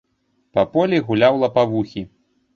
Па полі гуляў лапавухі.